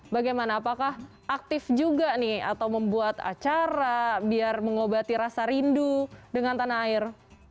bagaimana apakah aktif juga nih atau membuat acara biar mengobati rasa rindu dengan tanah air